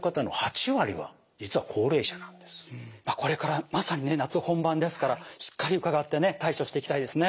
これからまさにね夏本番ですからしっかり伺ってね対処していきたいですね。